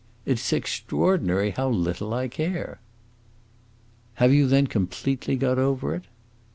It 's extraordinary how little I care!" "Have you, then, completely got over it?"